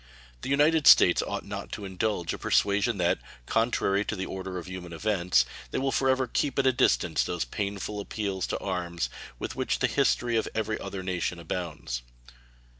The United States ought not to indulge a persuasion that, contrary to the order of human events, they will forever keep at a distance those painful appeals to arms with which the history of every other nation abounds.